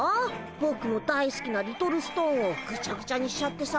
ぼくの大好きなリトルストーンをグチャグチャにしちゃってさ。